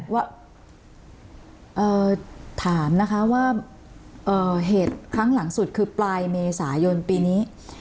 ว่าถามนะคะว่าเหตุครั้งหลังสุดคือปลายเมษายนปีนี้